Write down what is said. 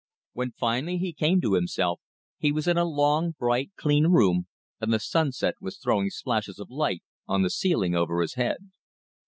When finally he came to himself, he was in a long, bright, clean room, and the sunset was throwing splashes of light on the ceiling over his head.